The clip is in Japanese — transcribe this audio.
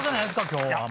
今日は。